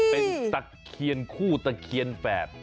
เป็นตะเคียนคู่ตะเคียนแฝด